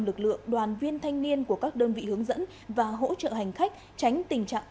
lực lượng đoàn viên thanh niên của các đơn vị hướng dẫn và hỗ trợ hành khách tránh tình trạng